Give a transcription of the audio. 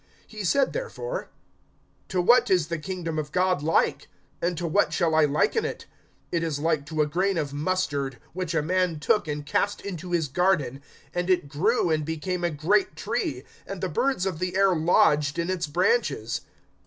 (18)He said therefore: To what is the kingdom of God like? And to what shall I liken it? (19)It is like to a grain of mustard, which a man took, and cast into his garden; and it grew, and became a great tree, and the birds of the air lodged in its branches.